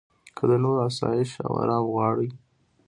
که د نورو اسایش او ارام غواړې.